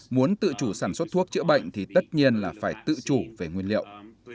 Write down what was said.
muốn tự chủ sản xuất thuốc chữa bệnh thì tất nhiên là phải tự chủ về nguyên liệu